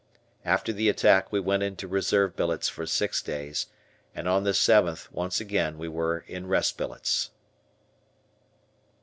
After the attack we went into reserve billets for six days, and on the seventh once again we were in rest billets.